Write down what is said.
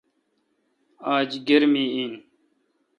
آج گرمی این۔